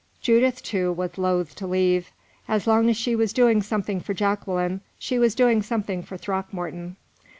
Judith, too, was loath to leave. As long as she was doing something for Jacqueline, she was doing something for Throckmorton.